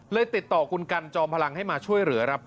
ติดต่อคุณกันจอมพลังให้มาช่วยเหลือครับ